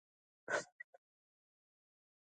ما ورته وویل هو خو کومه ګټه مې پکې نه ده لیدلې.